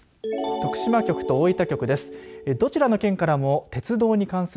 徳島局と大分局です。